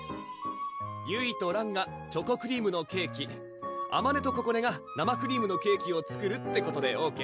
ゆいとらんがチョコクリームのケーキあまねとここねが生クリームのケーキを作るってことでＯＫ？